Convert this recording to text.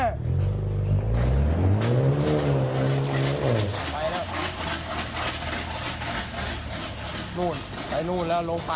นู่นไปนู่นแล้วโลภาษณ์